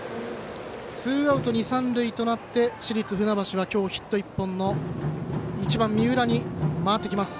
ツーアウト、二塁三塁となって市立船橋は今日ヒット１本の１番、三浦に回ってきます。